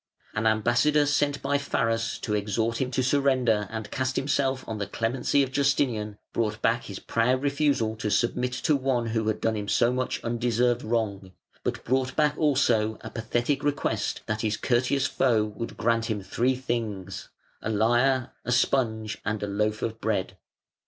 An ambassador sent by Pharas to exhort him to surrender and cast himself on the clemency of Justinian brought back his proud refusal to submit to one who had done him so much undeserved wrong, but brought back also a pathetic request that his courteous foe would grant him three things, a lyre, a sponge, and a loaf of bread.